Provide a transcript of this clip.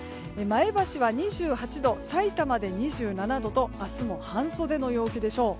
前橋は２８度さいたまで２７度と明日も半袖の陽気でしょう。